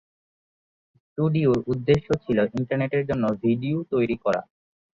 স্টুডিওর উদ্দেশ্য ছিলো ইন্টারনেটের জন্য ভিডিও তৈরী করা।